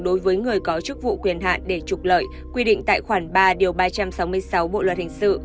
đối với người có chức vụ quyền hạn để trục lợi quy định tại khoản ba điều ba trăm sáu mươi sáu bộ luật hình sự